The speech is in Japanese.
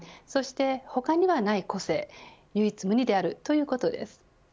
そして他にはない個性唯一無二であるということです。